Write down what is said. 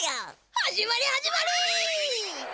始まり始まり！